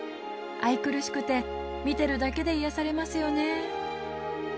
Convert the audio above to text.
愛くるしくて見てるだけで癒やされますよね。